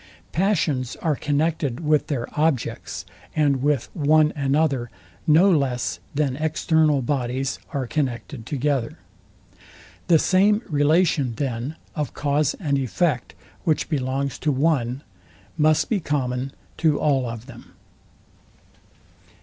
Passions are connected with their objects and with one another; no less than external bodies are connected together. The same relation, then, of cause and effect, which belongs to one, must be common to all of them.